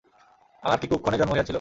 আমার কি কুক্ষণেই জন্ম হইয়াছিল!